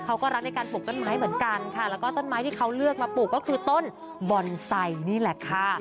เขาก็รักในการปลูกต้นไม้เหมือนกันค่ะแล้วก็ต้นไม้ที่เขาเลือกมาปลูกก็คือต้นบอนไซค์นี่แหละค่ะ